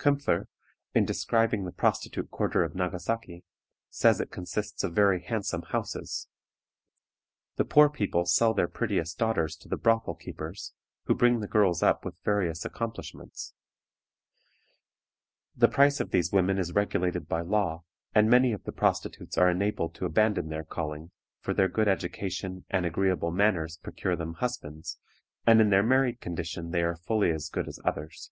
Koempfer, in describing the prostitute quarter of Nagasaki, says it consists of very handsome houses. The poor people sell their prettiest daughters to the brothel keepers, who bring the girls up with various accomplishments. The price of these women is regulated by law, and many of the prostitutes are enabled to abandon their calling, for their good education and agreeable manners procure them husbands, and in their married condition they are fully as good as others.